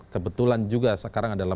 kebetulan juga sekarang ada